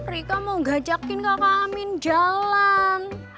rika mau ngajakin kakak amin jalan